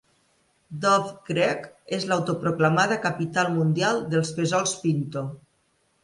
Dove Creek és l'autoproclamada Capital Mundial dels Fesols Pinto.